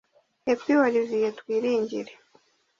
Happy Olivier Twiringire